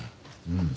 うん。